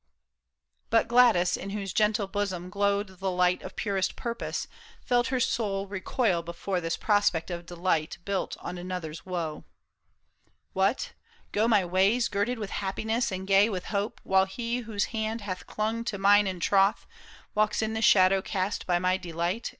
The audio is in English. But Gladys, in whose gentle bosom glowed The light of purest purpose, felt her soul Recoil before this prospect of delight Built on another's woe. " What, go my ways Girded with happiness and gay with hope. While he whose hand hath clung to mine in troth, Walks in the shadow cast by my delight.